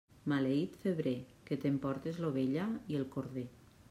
Maleït febrer, que t'emportes l'ovella i el corder.